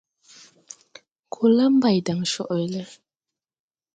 Ko la Mbaydan coʼwe le.